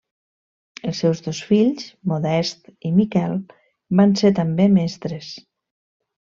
Els seus dos fills, Modest i Miquel, van ser també mestres.